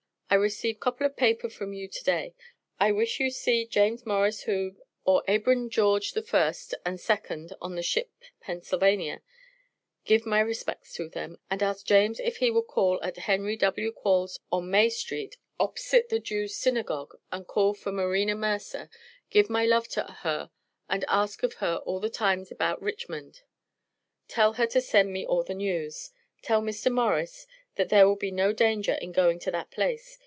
I Received cople of paper from you to day. I wish you see James Morris whom or Abram George the first and second on the Ship Penn., give my respects to them, and ask James if he will call at Henry W. Quarles on May street oppisit the Jews synagogue and call for Marena Mercer, give my love to her ask her of all the times about Richmond, tell her to Send me all the news. Tell Mr. Morris that there will be no danger in going to that place.